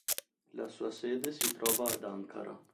La sua sede si trova ad Ankara.